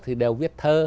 thì đều viết thơ